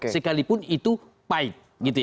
sekalipun itu pahit